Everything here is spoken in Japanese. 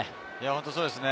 そうですよね。